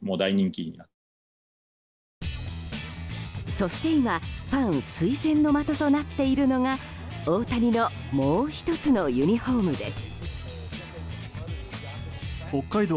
そして今、ファン垂涎の的となっているのが大谷のもう１つのユニホームです。